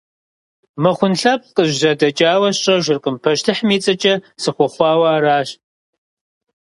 Мыхъун лъэпкъ къызжьэдэкӀауэ сщӀэжыркъым, пащтыхьым и цӀэкӀэ сыхъуэхъуауэ аращ.